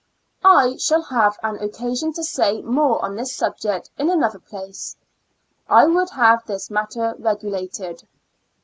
I shall have occasion to say more on this subject in another place. I Tvould have this matter regulated.